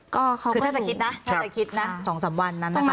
ก็เขาก็ถูกถ้าจะคิดนะ๒๓วันนั้นนะคะ